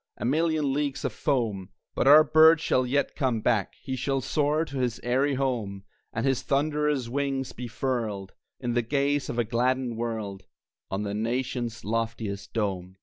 A million leagues of foam!); But our bird shall yet come back, He shall soar to his eyrie home, And his thunderous wings be furled, In the gaze of a gladdened world, On the nation's loftiest dome.